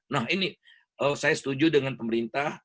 nah ini saya setuju dengan pemerintah